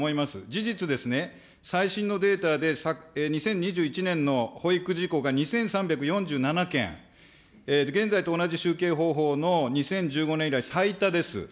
事実ですね、最新のデータで２０２１年の保育事故が２３４７件、現在と同じ集計方法の２０１５年以来、最多です。